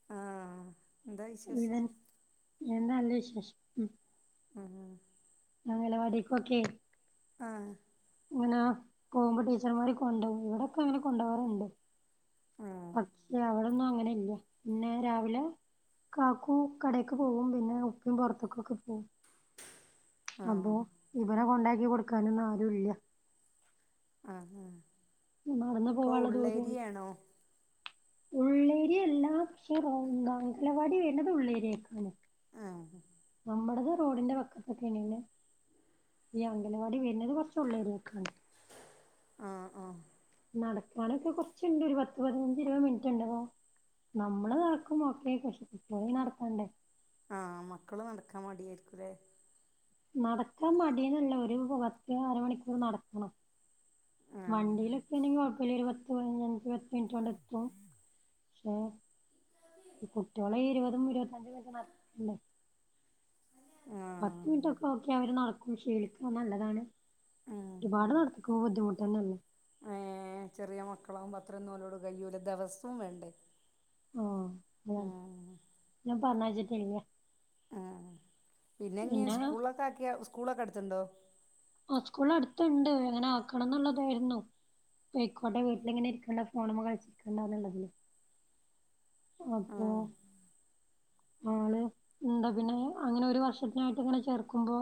ആഹ്. എന്താ പിന്നെ വിശേഷം എന്താ അന്റെ വിശേഷം? ഉംഹ്. അങ്കലവാടിക്കൊക്കെ. ആഹ്. ഇങ്ങനെ പോകുമ്പോ ടീച്ചർമാര് കൊണ്ടോവും ഇവിടൊക്കെ ഇങ്ങനെ കൊണ്ടാവാറുണ്ട്. ആഹ് പക്ഷെ അവിടൊന്നും അങ്ങനെ ഇല്ല. പിന്നെ രാവിലെ കാക്കൂ കടേക്ക് പോവും. പിന്നെ ഉപ്പിം പൊർത്ത്ക്കൊക്കെ പോവും. അപ്പോ. ആഹ് ഇവരെ കൊണ്ടാക്കി കൊടുക്ക. ക്കാനൊന്നും ആരും ഇല്ല. ആഹ് ആ നടന്നു അപ്പൊ ഉള്ളേരിയാണോ? ഉള്ളേരി എല്ലാ പക്ഷേ റോ അങ്കലവാടി വര്ണത് ഉള്ളേരിയെക്കാണ്. ആഹ്. നമ്മടത് റോഡിന്റെ വക്കത്തൊക്കെ എണെ. ഈ അംഗലവാടി വരുന്നത് കൊറ്ച്ച് ഉള്ളേരീക്കാണ്. ആഹ് ആഹ്. നടക്കാാനൊക്കെ കൊറച്ച്ണ്ട് ഒരു പത്ത് പതിനഞ്ച് ഇരുപത് മിനിറ്റ്ണ്ടവോ. നമ്മള് നടക്കുമ്പോ ഒക്കെ പക്ഷേ കുട്ടിയാളിങ്ങനെ നടക്കണ്ടേ? ആഹ് മക്കള് നടക്കാൻ മടിയായിരിക്കൂല്ലേ? നടക്കാൻ മടിന്നല്ല ഒരു പത്ത് അര മണിക്കൂർ നടക്കണം. ആഹ് വണ്ടിയിലൊക്കെ ആണെങ്കിൽ കൊഴപ്പല്ല ഒരുപത്ത്. [unintelligible] എത്തും പക്ഷേ. ഈ കുട്ട്യാളെ ഇരുപതും ഇരുപത്തഞ്ചും [unintelligible] ആഹ് പത്ത് മിനിറ്റൊക്കെ ഓക്കെ അവര് നടക്കും ക്ഷീലിക്കുന്നത് നല്ലതാണ് ഉം ഒരുപാട് നടത്ത ബുദ്ധിമുട്ടന്നല്ലേ? ഏഹ് ചെറിയ മക്കളാകുമ്പോ അത്രൊന്നും ഓലോട് കയൂല ദെവസവും വേണ്ടേ? ആഹ് അതാണ് ഉം ഞാൻ [unintelligible] ആഹ് പിന്നെ ഇഞ്ഞ് സ്കൂളൊക്കെ ആക്കിയ സ്കൂളൊക്കെ അടുത്ത്ണ്ടോ? ആ സ്കൂള് അടുത്തുണ്ട് ഇങ്ങനെ ആക്കണം എന്നുള്ളതായിരുന്നു. പോയിക്കോട്ടെ വീട്ടിലിങ്ങനെ ഇരിക്കണ്ട ഫോണുമ്മ കളിച്ചിരി ക്കണ്ടന്നുള്ളതില്. അപ്പോ ആഹ് ആള് ന്താ പിന്നെ അങ്ങനെ ഒരു വർഷത്തിനായിട്ട് ഇങ്ങനെ ചേർക്കുമ്പോ.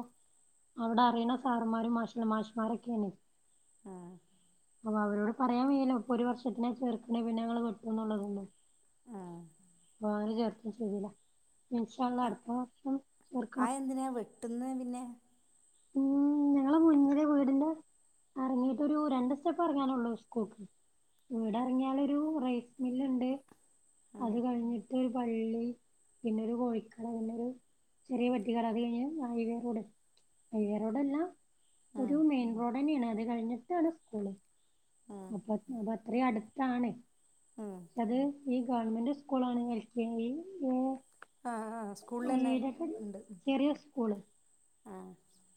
അവിടെ അറിണ സാറ്മാരും മാഷ് മാഷ്മാരൊക്കെണ്. ആഹാ അപ്പൊ അവരോട് പറയാൻ വയല്ലോ ഇപ്പൊ ഒരു വർഷത്തിന ചേർക്ക്ണേ. പിന്നെഞങ്ങള് വെട്ടും ന്നുള്ളതൊന്നും. ആഹാ [unintelligible] ചെയ്തില്ല. ഇൻഷാ അള്ളാ ആഹ അടുത്ത വർഷം ചേർക്കണം അയെ എന്തിനാ വെട്ടുന്നെ പിന്നെ? [unintelligible] ഞളെ മുന്നില് എന്റെ വീടിന്റെ ഇറങ്ങിയിട് ഒരു രണ്ട് സ്റ്റെപ്പ് ഇറങ്ങാനൊള്ളു സ്കൂൾക്ക്. വിടെറങ്ങിയാലൊരു റൈസ് മില്ണ്ട് അത് ആഹ് കഴിഞ്ഞിട്ട്. ഒരു പള്ളി പിന്നൊരു കോഴിക്കട പിന്നൊരു. ചെറിയ പെട്ടികടാ അത് കഴിഞ്ഞൽ ഹൈവേറോട് ഹൈവേറോടല്ല. ആഹ് ഒരു മെയിൻ റോഡ്ന്നെയാണ് അത് കഴിഞ്ഞിട്ടാണ് സ്കൂള് ആഹ് അപോ അത്ര അടുത്താണ് ആഹ് പക്ഷേത്. ഈ ഗവൺമെന്റ് സ്കൂളാണ് എൽ കെ ജി. ആഹ ആഹ ഏതൊക്കെ സ്കൂളിലെന്നെണ്ട് ആഹ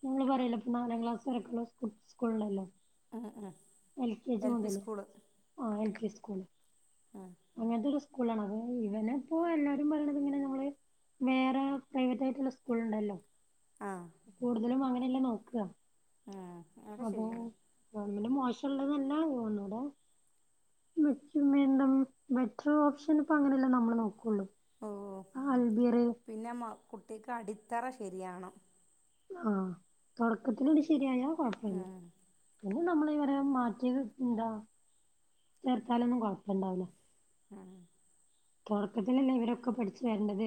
നമ്മള് പറയല്ല പ്പൊനാലാം ക്ലാസ് വരക്കുള്ള സ് സ്കൂള്ണ്ടല്ലോ ആഹ ആഹാ എൽ കെ ജി മുതല് ആ എൽ കെ ജി സ്കൂള്. ആഹ അങ്ങനത്തെ ഒരു സ്കൂളാണ്. അത് ഇവനെ ഇപ്പോ എല്ലാരും പറയ്ണത് ഇങ്ങനെ നമ്മള്. വേറെ പ്രൈവറ്റ് ആയിട്ടുള്ള സ്കൂൾ ഇണ്ടല്ലോ? ആ കൂടുതലും അങ്ങനെയല്ല നോക്കാ ആഹാ ആഹ അപ്പോ ഗവൺമെന്റ് മോശംള്ളത് ലാ ഒന്നൂടെ. [unintelligible] ബെറ്റർ ഓപ്ഷൻ ഇപ്പൊ അങ്ങനെയല്ലേ നമ്മള് നോക്കുള്ളൂ. ഓ ആഹ അൽബിർ. പിന്നെ മാ കുട്ടിക്ക് അടിത്തറ ശരിയാവണം. ആഹ തൊടക്കത്തില്ട് ശരിയായ കൊഴപ്പല്ല. ഉം പിന്നെ നമ്മള് ഇവരെ മാറ്റി ന്താ ചേർത്താലൊന്നും കുഴപ്പണ്ടാവുല്ല. ആഹാ തൊടക്കത്തിലല്ല ഇവരൊക്കെ പഠിച്ചു വരണ്ടത്.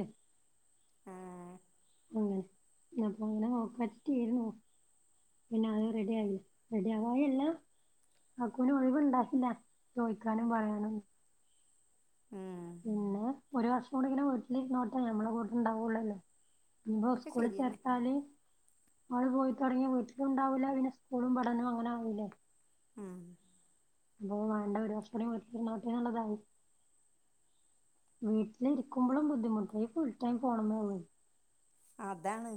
ആഹാ ഹും അപ്പൊ അങ്ങനെ നോകാച്ചിട്ട് എയ്ന്നു പിന്ന അത് റെഡി ആയി റെഡി ആവായി അല്ല. കാകുന് ഒഴിവുണ്ടായില്ല ചോയ്ക്കാനും പറയാനും ഉഹും പിന്നെ ഒരു വർഷം കൂടി ഇങ്ങനെ വീട്ടിൽ ഇരുന്നോട്ടെ ഞമ്മളെ കൂടെ ണ്ടാവുള്ളല്ലോ? ഇന്നോ ഒക്കെ സ്കൂളിൽ ശരിയന്നെ ചേർത്താന് അവള് പോയി തുടങ്ങിയ വീട്ടിലുണ്ടാവില്ല പിന്നെ സ്കൂളും പഠനവും അങ്ങനെ ആവുലേ ഹും അപ്പൊ വേണ്ട ഒരു വർഷകൂടി വീട്ടിലിരുന്നോട്ടെ എന്നുള്ളതായി വീട്ടില് ഇരിക്കുമ്പോളൂം ബുദ്ധിമുട്ടാ ഈ ഫുൾ ടൈം ഫോൺമെ ഓള് അതാണ്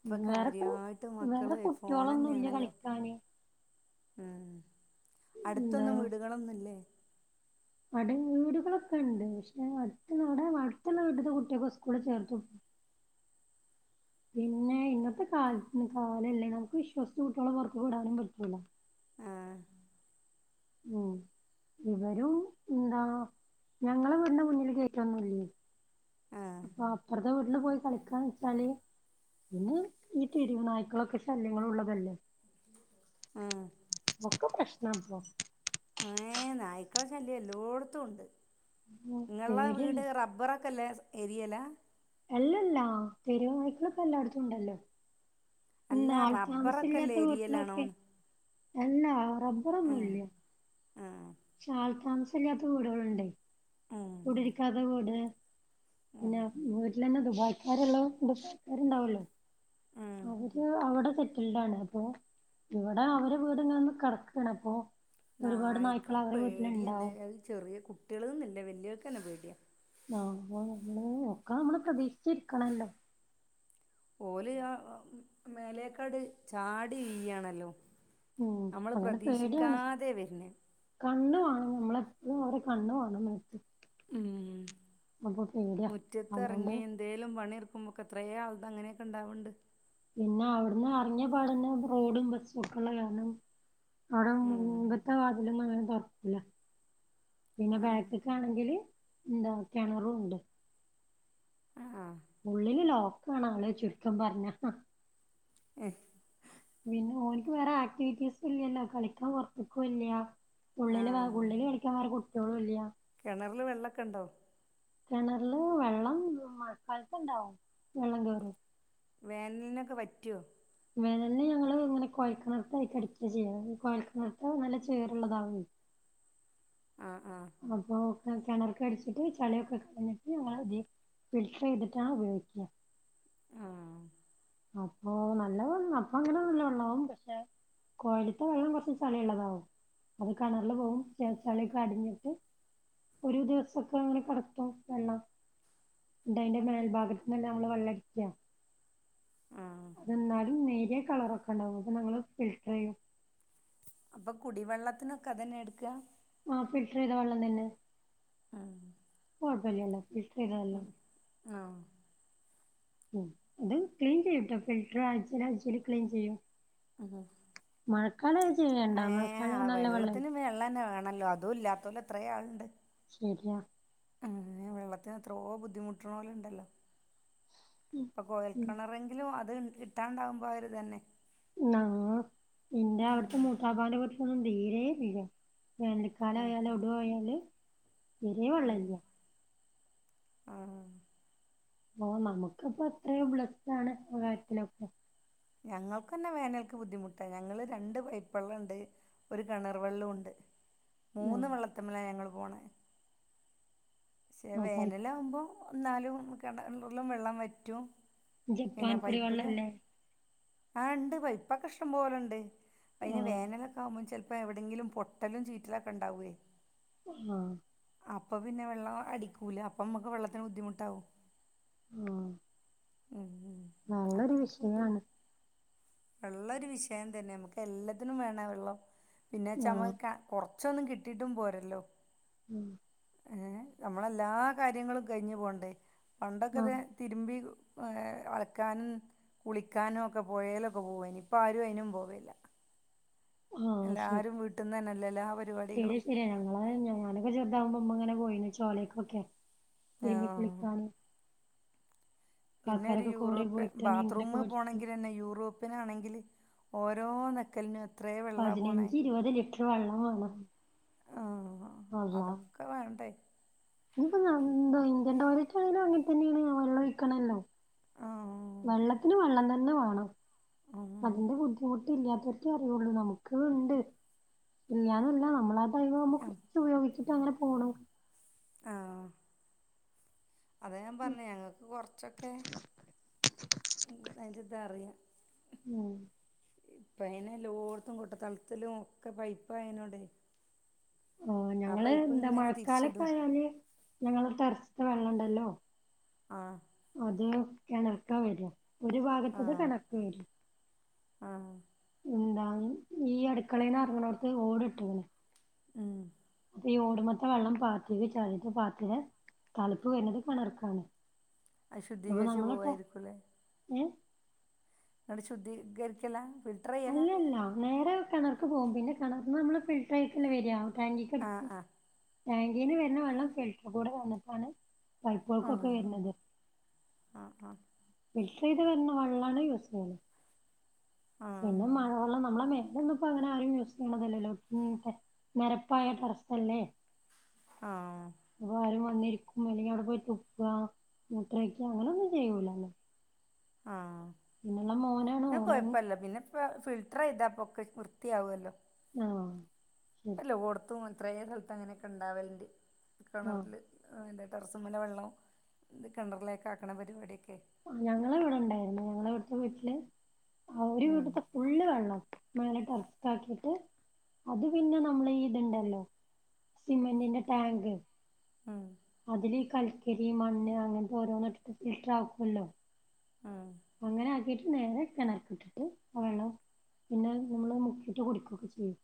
ഇപ്പൊ വേറെ കു കാര്യയായിട്ട് വേറെ മക്കള് ഫോൺ കുട്ട്യോളൊന്നും ഇല്ല ന്നെയാണല്ലോ കളിക്കാന് ഹും എന്താ അടുത്തൊന്നും വീടുകളൊന്നുയില്ലേ? വടെ വീടുകളൊക്കെ ഇണ്ട്. പക്ഷെ അടുത്തവിടെ അടുത്തുള്ള വീട്ട്ത്തെ കുട്ടിയോക്കെ സ്കൂളിൽ ചേർത പിന്നെ ഇന്നത്തെ കാലല്ലേ നമുക്ക് ആൾ ഇല്ലെങ്കിലും വിശ്വാസിച്ച് കുട്ടികളെ പൊറത്ത് വിടാനും പറ്റൂല ആഹാ ഉും ഇവരും ന്താ ഞങ്ങളെ വീടിന്റെ മുന്നിൽ ഗേറ്റ് ഒന്നും ഇല്ലേ ആ അപ്പൊ അപ്പറത്തെ വീട്ടില് പോയി കളിക്കാന്ന് വെച്ചാല് പിന്ന ഈ തെരുവ് നായ്ക്കളൊക്കെ ശല്യങ്ങളും ഉള്ളതല്ലേ ആഹ്‌ ഒക്കെ പ്രശ്നാപോ ഏഹ്‌ നായ്ക്കളെ ശല്യം എല്ലോട്ത്തൂണ്ട് ഇങ്ങളെ പേടിയാണ് വീട് റബ റബ്ബറൊക്കെള്ള ഏരിയേലാ അല്ലെല്ലാ തെരുവ് നായ്ക്കളൊക്കെ എല്ലാടത്തും ഉണ്ടല്ലോ പിന്നെ അല്ല ആൾ റബ്ബറൊക്കെല്ല താമസല്ലാത്ത വീട്ടിലൊക്കെ ഏരിയയിലാണോന്ന് എല്ലാ ഉം റബ്ബറൊന്നൂല്യ ഉം പക്ഷെ ആൾ താമസല്ലാത്ത വീടുകളുണ്ടെയ് ഉം കുടിരിക്കാത്ത വീട് ഉം പിന്നെ വ് അയ്ലന്നേ ദുബൈക്കാരുള്ളോം ദുബൈകാരുണ്ടാവോല്ലോ ഉം അവര് അവിടെ സെറ്റി കുണ്ടാണ് അപ്പൊ ഇവടെ അവരെ വീട് ഇങ്ങനെ കെടക്കാണ് അപ്പൊ ഒരുപാട് നായ്ക്കളെ നായ്ക്കള് അവരെ പേടി തന്നെ വീട്ടിലുണ്ടാവും അത് ചെറിയ കുട്ടിയാള്ന്ന് ഇല്ല വലിയോർക്കു തന്നെ പേടിയാ ആഹ്‌ അപ്പൊ നമ്മള് ഒക്കെ നമ്മള് പ്രതീക്ഷിച്ചിരിക്കണല്ലോ ഓല് ആ ഉം മേലേക്കട് ചാടി വീയാണല്ലോ ഉം നമ്മള് അങ്ങനെ പേടിയാണ് പ്രതീക്ഷിക്കാതെ വെരുന്നെ കണ്ണ് വാണം നമ്മള് എപ്പളും അവരെ കണ്ണ് വേണം മേത്ത് ഉം അപ്പൊ പേടിയാ മുറ്റത്ത് അതുകൊണ്ട് എറങ്ങിയ എന്ത് എന്തേലും പണി എടുക്കുമ്പോ ഒക്കെ എത്രയോ ആൾത് അങ്ങനെയൊക്കെയിണ്ടാവുണ്ട് പിന്നെ അവിടുന്ന് എറങ്ങിയ പാടാന്നെ റോഡും ബസ്സും ഒക്കെ ഉള്ള കാരണം അവിടെ ഉം മുൻപത്തെ വാതിലൊന്നും അങ്ങനെ തൊറക്കൂല പിന്നെ ആഹ് ബാക്ക്ക്ക് ആണെങ്കില് എന്താ കെണറൂണ്ട് ആഹ്‌ ഉള്ളില് ലോക്കാണ് ആള് ചുരുക്കം പറഞാ ഏഹ് പിന്നെ ഓൽക്ക് വേറെ ആക്ടിവിറ്റീസ് ഇല്ലല്ലോ കളിക്കാൻ പൊറത്ത്ക്കും ഇല്ല ഉള്ളില് വേ ഉള്ളില് കളിക്കാൻ വേറെ കുട്ടികളും ഇല്ല കെണറില് വെള്ളൊക്കെണ്ടോ കെണറില് വെള്ളം മഴക്കാലത്ത് ഇണ്ടാവും വെള്ളം കേറും വേനല്നൊക്കെ വറ്റോ വേനലിന് ഞങ്ങള് ഇങ്ങനെ കൊഴൽക്കിണർക്കായിട്ട് അടിക്കാ ചെയ്യ കൊഴൽക്കിണർത്തെ നല്ല ചേറുള്ളതാവോയ് ആഹ്‌ ആഹ്‌ അപ്പൊ ക്കെ കെണർക്ക് അടിച്ചിട്ട് ചളിയൊക്കെ കളഞ്ഞിട്ട് ഞങ്ങളെ ഇതി ഫിൽട്ടർ ചെയ്തിട്ടാ ഉപയോഗിക്ക ആഹ്‌ അപ്പൊ നല്ലവെള്ളാ അപ്പൊ അങ്ങനെ നല്ല വെള്ളാവും പക്ഷെ കൊഴല്ത്തെ വെള്ളം കൊറച്ച് ചളി ഉള്ളതാവും അത് കെണറില് പോവും ചെ ചളിയൊക്കെ അടിഞ്ഞിട്ട് ഒരു ദിവസൊക്കെ അങ്ങനെ കെടക്കും വെള്ളം എന്നിട്ട് അയ്ന്റെ മേൽഭാഗത്ത് നിന്നല്ലേ നമ്മള് വെള്ളടിക്കാ ആഹ്‌ എന്നാലും നേരിയ കളറൊക്കെ ണ്ടാവും അപ്പൊ നമ്മള് ഫിൽട്ടർ ചെയ്യും അപ്പൊ കുടിവെള്ളത്തിനൊക്കെ അതന്നെ എടുക്ക ആഹ്‌ ഫിൽറ്റർ ചെയ്ത വെള്ളം തന്നെ ആഹ്‌ അപ്പൊ കൊഴപ്പല്ലല്ലോ ഫിൽറ്ററ് ചെയ്തതല്ലേ ആഹ് ഉം അത് ക്ലീൻ ചെയ്യൂട്ടോ ഫിൽറ്ററ് ആഴ്‌ച്ചേല് ആഴ്‌ച്ചേല് ക്ലീൻ ചെയ്യും അഹാ മഴക്കാലായേച്ച് ഏഹ്‌ വെള്ളത്തിന് വെള്ളന്നെ വേണല്ലോ അതും ഇല്ലാത്തോല് എത്രേ ആളുണ്ട് ശരിയ ഉം വെള്ളത്തിന് എത്രോ ബുദ്ധിമുട്ട്ണോല് ഉണ്ടല്ലോ ഉം. ഇപ്പ കൊയൽ ഉം. കിണറെങ്കിലും അത് കിട്ടാണ്ടാവുമ്പോൾ അതൊരു ഇതന്നെ ആ എന്റെ ഇവിടുത്തെ മൂത്താപാന്റെ വീട്ടിലൊന്നും തീരെ ഇല്ല ഉം വേനൽക്കാലായാൽ ഒടുവായാല് തീരെ വെള്ളല്ല ആ ഓ നമുക്കിപ്പോ അത്രയും ബ്ലസ്സാണ് ആ കാര്യത്തിലൊക്കെ ഞങ്ങൾക്കന്നെ വേനൽക്ക് ബുദ്ധിമുട്ടാ ഞങ്ങള് രണ്ട് പൈപ്പള്ളം ഉണ്ട് ഒരു കിണർ വെള്ളൂണ്ട് മൂന്ന് ആഹ് വെള്ളത്ത്മ്മല ഞങ്ങൾ പോണേ പക്ഷെ ആഹ് പൈ വേനലാകുമ്പോൾ ന്നാലും കിണറിലും വെള്ളം വറ്റും പിന്നെ ജപ്പാൻ പൈപ്പില് കുടിവെള്ളല്ലേ ആ ഇണ്ട് പൈപ്പൊക്കെ ഇഷ്ടം പോലുണ്ട് അതിന് ആഹ് വേനലൊക്കെ ആകുമ്പോൾ ചിലപ്പോൾ എവിടെയങ്കിലും പൊട്ടലും ചീറ്റിലൊക്കെ ഉണ്ടാവുവേ ആഹ് അപ്പം പിന്നെ വെള്ളം അടിക്കൂല അപ്പം നമുക്ക് വെള്ളത്തിന് ബുദ്ധിമുട്ടാവും ഉം ഉം ഉം വെള്ളൊരു അങ്ങനെയൊക്കെ വിഷയമാണ്. ബുദ്ധിമുട്ട് വെള്ളം ഒരു വിഷയം തന്നെ നമുക്ക് എല്ലാത്തിനും വേണേ വെള്ളം. പിന്നെച്ച ആഹ് നമ്മക്ക് കൊറച്ചൊന്നും കിട്ടീട്ടും പോരല്ലോ? ഉം ഏ നമ്മളെല്ലാ കാര്യങ്ങളും കഴിഞ്ഞു പോകണ്ടേ പണ്ടൊക്കെത്ത ആഹ് തിരുമ്പി അലക്കാനും കുളിക്കാനും ഒക്കെ പോയേലൊക്കെ പോവേനി ഇപ്പ ആരും അതിനും പോവലില്ല എല്ലാരും വീട്ടന്ന് തന്നെല്ലെ എല്ലാവ ശരിയാ ശരിയാ ഞങ്ങള് ഞാനൊക്കെ ചെറുതാവുമ്പോ ഇമ്മ അങ്ങനെ പോയീ ന് ചോലേക്കൊക്കെ തിരുമ്പി ആഹ് കുളിക്കാനും പിന്നെ ഒരു കോറി യൂറോപ്യൻ പോയിട്ട് നീന്തലൊക്കെ ബാത്റൂമ് പഠിച്ച് പോകണമെങ്കിൽ തന്നെ യൂറോപ്യനാണെങ്കിൽ ഓരോ ഞ്ഞെക്കലിനും എത്രേ വെള്ളാ പോണേ എത്രവെള്ളം വേണം ആഹ് അതൊക്കെ വേണ്ടേ ഇനിയിപ്പൊ എന്താ ഇന്ത്യൻ ടോയ്ലറ്റ് ആണെങ്കിലും അങ്ങനെ തന്നെയാണ് വെള്ളം ഒഴിക്കണല്ലോ ആഹ് വെള്ളത്തിന് വെള്ളം തന്നെ വേണം ആഹ് അതിന്റെ ബുദ്ധിമുട്ട് ഇല്ലാത്തവർക്കെ അറിയുള്ളൂ നമുക്ക് ഉണ്ട് ഇല്ലാന്നല്ല നമ്മളെ അയ്‌ന് നമ്മക്ക് കുറച്ച് ഉയോഗിച്ചിട്ട് അങ്ങനെ പോണം ആഹ് അതെഞാൻ പറഞ്ഞേഴഞങ്ങൾക്ക് കൊറച്ചൊക്കെ അതിന്റെ ഇതാ അറിയാ ഉം ഇപ്പയിനെല്ലോർത്തും കൊട്ട തളത്തിലും ഒക്കെ പൈപ്പായിനോണ്ടെ ആഹ് ഞങ്ങള് എന്താ ഇങ്ങനെ തിരിച്ചിടും മഴക്കാലൊക്കെയാല് ഞങ്ങള് ടറസ്ത്തെ വെള്ളണ്ടല്ലോ ആഹ് അത് കെണർക്ക വെരാ ഒരു ഭാഗത്തത് കെണർക്ക് വെരും ആഹ് ന്താ ഈ അടുക്കളയിന്നറങ്ങ്ണോട്ത്ത് ഓട് ട്ട്ക്ണ് ഉം ഈ ഓടുമെത്ത വള്ളം പാത്തീല് ചളിട്ട് പാത്തിന് തളുപ്പ് വരുന്നത് കെണർക്കാണ് അശുദ്ധീകരിച്ച് പോകായിരിക്കൂലെ എഹ് അത്ശുദ്ധീകരിക്കലാ അല്ലെല്ലാ നേരെ കെണർക്ക് പോകും പിന്നെ കണർന്ന് നമ്മള് ഫിൽട്ടറയ്ക്ക്ല്ലൃവരൃ ടേങ്കിക്ക് ആ ആ ടേങ്കീന്ന് വെരുന്ന വെള്ളം ഫിൽട്ടർ കൂടെ വന്നിട്ടാണ് പൈപ്പോൾകൊക്കെ വെരുന്നത് ആഹ് ഫിൽട്ടറെയ്ത് വെരുന്നവള്ളാണ് യൂസെയ്യുന്നത് ആ പിന്നെ മഴവള്ളം നമ്മളെ മേലൊന്നുംപ്പോ അങ്ങനെ ആഹ് ആരും യൂസ് ചെയ്യ്ണതല്ലല്ലോ നെരപ്പായ പ്രശ്നല്ലേ ആഹ് അപ്പൊ ആരും വന്നിരിക്കും അല്ലെങ്കിൽ അവിടെ പോയിതുപ്പാ മൂത്രൊഴിക്ക അങ്ങനെന്നും ചെയ്യൂലല്ലോ ആഹ് പിന്നെയുള്ള മോനാണ് മോനാണ് ഞകൊഴപ്പല്ല പിന്നെ പ്പ ഫിൽട്ടർയ്താപ്പോ ക്കെ വൃത്തിയാവോല്ലോ ആഹ് ശരി എല്ലോട്ത്തുംഎത്രേ സ്ഥലത്ത് അങ്ങനെയൊക്കെണ്ടാവലണ്ട് ആഹ് കെണറില് ആഹ് തെ ടെറസ്മ്മലെവെള്ളം ഇത് കെണറിലേക്കാക്ക്ണ പരിപാടിയെക്കെ ഞങ്ങളെവിടെ ണ്ടായിന്നു ഞങ്ങളെവിടുത്തെ വീട്ടില് അവര് ഉം വ്ട്ത്ത ഫുള്ള് വള്ളം മേലെട്ടറ ച്ചാക്കിയിട്ട് അത് പിന്നെ നമ്മൾ ഈത്ണ്ടല്ലോ സിമ്മൻ്റിൻ്റെ ടേങ്ക് മ് അതില് ഈ കൽക്കരി മണ്ണ് അങ്ങനത്തെ ഓരോന്ന് ഫിൽട്ടറാകോല്ലോ ഉം അങ്ങനെ ആക്കിട്ട് നേരെ കെണർ ഇട്ടിട്ട് വേണം പിന്നെ നമ്മൾ മുക്കിയിട്ട് കുടികൊക്കെ ചെയ്യും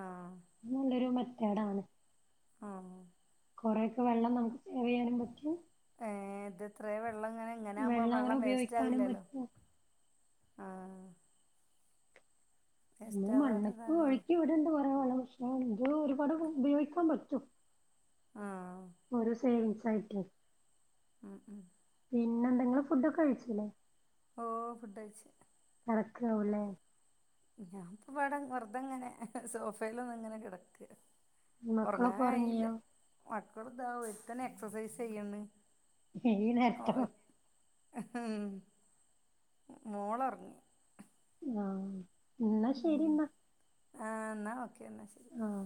ആഹ് നല്ലൊരു മെതേടാണ് ആഹ് കൊറേക്കെ വെള്ളം നമുക്ക് സേവിയ്യാനും പറ്റും ഏ ഇതെത്രേ വെള്ളങ്ങനെ ഇങ്ങനെകുമ്പോ അങ്ങനെ വെള്ളം ഉപയോഗിക്കാനും വേസ്റ്റാകില്ലല്ലോ പറ്റും ആഹ് വേസ്റ്റ് മ്മള് മണ്ണ്ക്ക് ആവാത്തതാകല്ലേ ഒഴുക്കിവിട്ണ്ട് കൊറേ വള്ളംക്ഷേ [unintelligible] എനിക്ക് ഒരുപാട് ഉപയോഗിക്കാൻ പറ്റും ആഹ് ഒരു സേവിങ്സായിട്ട് മ് മ് പിന്നെന്താ ഇങ്ങൾ ഫുഡ്ഡൊക്കെ കഴിച്ചില്ലേ ഓഹ് ഫുഡഴ്ച്ച് കെടക്കാവൂല്ലേ ഞാനിപ്പൊവെടെ വെറുതെങ്ങനെ സോഫേല് ഒന്ന്ങ്ങനെ കെടക്ക മക്കളൊക്കെ ഒറങ്ങാനായില്ല ഉറങ്ങിയോ മക്കൾതാ ഒര്ത്തന് എക്സസൈസ് യ്യിണ് ഈനേര്ത്തൊ ഉം, മോള ഉറങ്ങി ആ, എന്നാ ശരി എന്നാ ആ എന്നാ ഓക്കെ എന്നാ ശരി ആഹ്